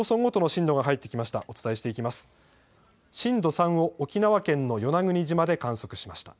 震度３を沖縄県の与那国島で観測しました。